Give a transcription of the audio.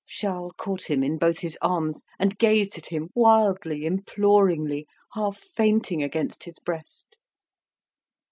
Charles caught him in both his arms, and gazed at him wildly, imploringly, half fainting against his breast.